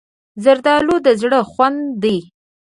زردالو د زړه خوند دی.